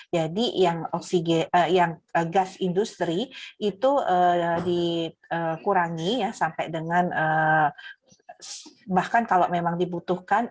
jadi gas industri itu dikurangi sampai dengan bahkan kalau memang dibutuhkan